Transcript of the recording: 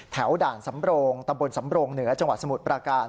ด่านสำโรงตำบลสำโรงเหนือจังหวัดสมุทรปราการ